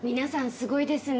すごいですね